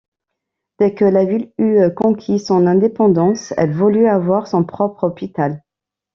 Dès que la ville eut conquis son indépendance, elle voulut avoir son propre hôpital.